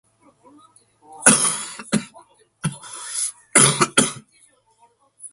The resulting outcry forced Karl to renounce his favorite.